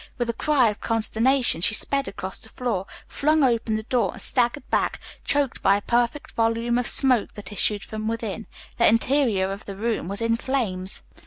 With a cry of consternation she sped across the floor, flung open the door and staggered back, choked by a perfect volume of smoke that issued from within. The interior of the room was in flames.